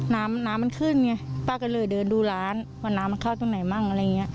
น้ำมันขึ้นป้าก็เลยเดินดูร้านว่าน้ำเข้าตรงไหนบ้าง